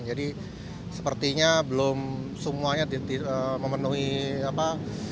jadi sepertinya belum semuanya memenuhi apa